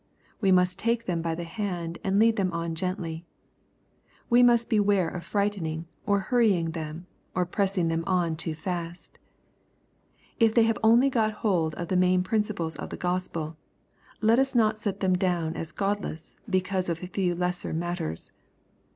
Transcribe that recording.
We must take them by the hand and lead them on gently. We must beware of frightening, or hurrying them, or pressing them on too fast. If they have only got holdof the main prin ciples of the Gospel, let us not set tjiem down as godless, because of a few lesser matters.